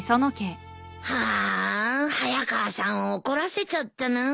ハァ早川さんを怒らせちゃったな。